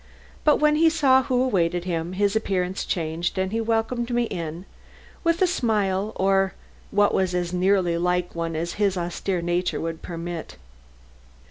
But when he saw who awaited him, his appearance changed and he welcomed me in with a smile or what was as nearly like one as his austere nature would permit.